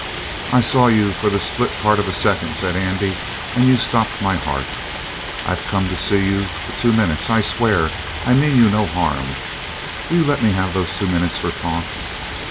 "I saw you for the split part of a second," said Andy, "and you stopped my heart. I've come to see you for two minutes; I swear I mean you no harm. Will you let me have those two minutes for talk?"